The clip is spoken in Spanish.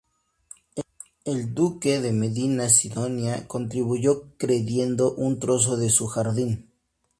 El duque de Medina Sidonia contribuyó cediendo un trozo de su jardín.